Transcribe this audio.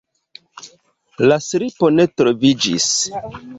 La slipo ne troviĝis.